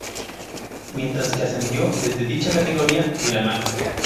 Mientras que ascendió desde dicha categoría Miramar.